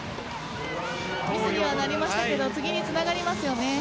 ミスにはなりましたが次につながりますよね。